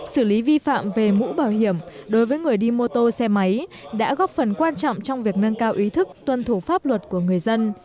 xử lý vi phạm về mũ bảo hiểm đối với người đi mô tô xe máy đã góp phần quan trọng trong việc nâng cao ý thức tuân thủ pháp luật của người dân